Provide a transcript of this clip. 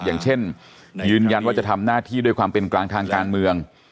อย่างเช่นยืนยันว่าจะทำหน้าที่ด้วยความเป็นกลางทางการเมือง